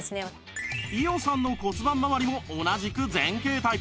伊代さんの骨盤まわりも同じく前傾タイプ